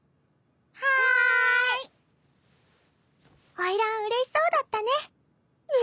花魁うれしそうだったね！ね！